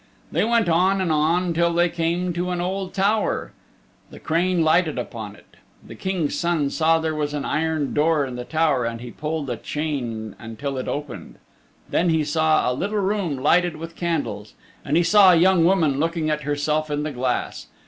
They went on and on till they came to an old tower. The crane lighted upon it. The King's Son saw there was an iron door in the tower and he pulled a chain until it opened. Then he saw a little room lighted with candles, and he saw a young woman looking at herself in the glass.